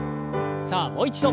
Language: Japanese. さあもう一度。